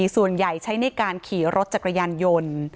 ส่วนใหญ่ใช้ในการขี่รถจักรยานยนต์